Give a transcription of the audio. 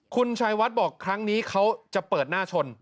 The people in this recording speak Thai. คุณชายวัดบอกครั้งนี้เขาจะเปิดหน้าชน